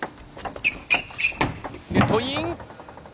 ネットイン。